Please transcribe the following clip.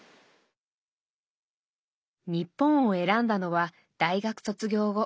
日本を選んだのは大学卒業後。